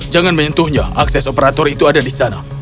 jangan menyentuhnya akses operator itu ada di sana